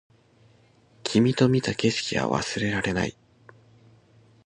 君と見た景色は忘れられない